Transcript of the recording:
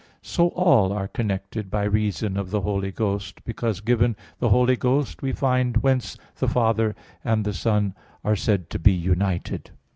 So all are connected by reason of the Holy Ghost; because given the Holy Ghost, we find whence the Father and the Son are said to be united.